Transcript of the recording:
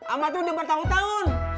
amat tuh udah bertahun tahun